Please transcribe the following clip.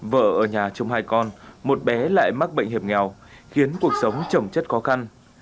vợ ở nhà chồng hai con một bé lại mắc bệnh hiệp nghèo khiến cuộc sống trổng chất khó khăn